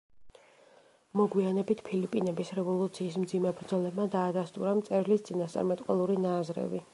მოგვიანებით ფილიპინების რევოლუციის მძიმე ბრძოლებმა დაადასტურა მწერლის წინასწარმეტყველური ნააზრევი.